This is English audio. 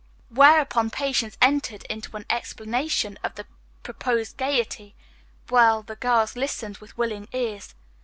Whereupon Patience entered into an explanation of the proposed gayety while the girls listened with willing ears.